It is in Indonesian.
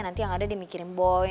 nanti yang ada di mikirin boy